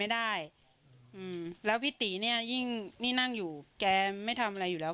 ได้อืมแล้วพี่ตีเนี่ยยิ่งนี่นั่งอยู่แกไม่ทำอะไรอยู่แล้ว